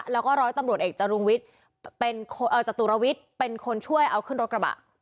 แล้วก็ร้อยตำรวจเอกจรุงวิทย์เป็นจตุรวิทย์เป็นคนช่วยเอาขึ้นรถกระบะ